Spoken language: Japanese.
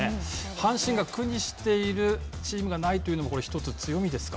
阪神が苦にしているチームがないというのも一つ強みですか。